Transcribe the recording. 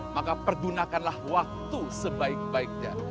maka pergunakanlah waktu sebaik baiknya